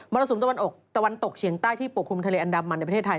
รสุมตะวันออกตะวันตกเฉียงใต้ที่ปกคลุมทะเลอันดามันในประเทศไทย